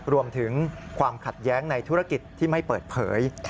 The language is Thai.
รวมถึงความขัดแย้งในธุรกิจที่ไม่เปิดเผย